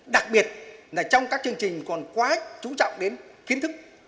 đặc biệt là trong các chương trình còn quá chú trọng đến kiến thức